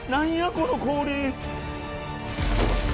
この氷。